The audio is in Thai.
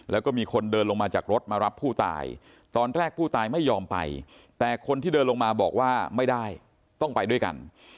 แล้วก็มีคนเดินลงมาจากรถมารับผู้ตายตอนแรกผู้ตายไม่ยอมไปแต่คนที่เดินลงมาบอกว่าไม่ได้ต้องไปด้วยกัน